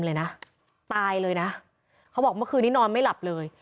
เลยนะตายเลยนะเขาบอกเมื่อคืนนี้นอนไม่หลับเลย